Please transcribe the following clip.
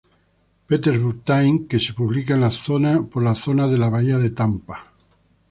Petersburg Times", que se publica por la zona de la Bahía de Tampa.